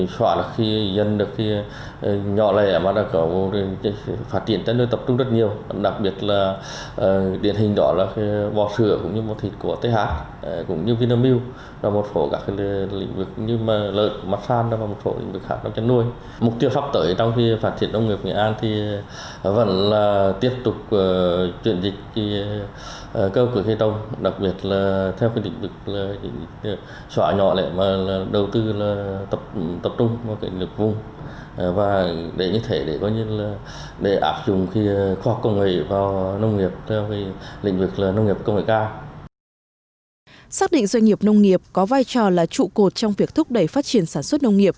xác định doanh nghiệp nông nghiệp có vai trò là trụ cột trong việc thúc đẩy phát triển sản xuất nông nghiệp